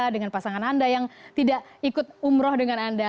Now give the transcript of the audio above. dengan pasangan anda yang tidak ikut umroh dengan anda